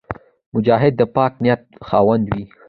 مجاهد د پاک نیت خاوند وي.